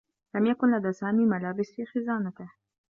لم يكن لدى سامي ملابس في خزانته.